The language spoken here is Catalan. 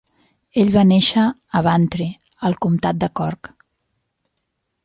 Ell va néixer a Bantry, al comtat de Cork.